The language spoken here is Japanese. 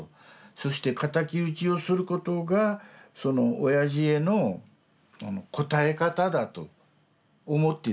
そして仇討ちをすることがおやじへの応え方だと思っていたんですよ。